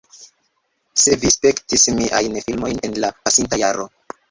Se vi spektis miajn filmojn en la pasinta jaro